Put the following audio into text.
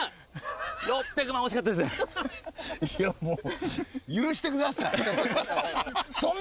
いやもう。